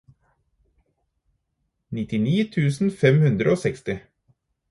nittini tusen fem hundre og seksti